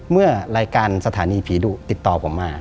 เมื่อรายการสถานีผีดุติดต่อผมมา